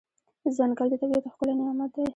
ځنګل د طبیعت ښکلی نعمت دی.